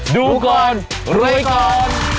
ดูก่อนรวยก่อน